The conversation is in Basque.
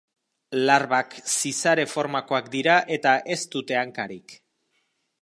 Larbak zizare formakoak dira eta ez dute hankarik.